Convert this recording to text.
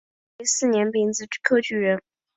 万历四年丙子科举人。